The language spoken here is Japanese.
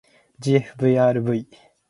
ｇｆｖｒｖ